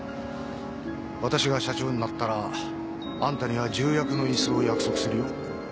私が社長になったらあんたには重役の椅子を約束するよ。